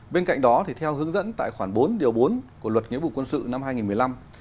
bên cạnh đó theo hướng dẫn tại khoản bốn điều bốn của luật nghĩa vụ quân sự năm hai nghìn một mươi năm